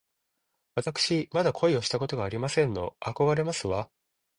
わたくしまだ恋をしたことがありませんの。あこがれますわ